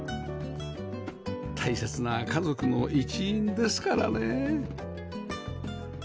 大切な家族の一員ですからね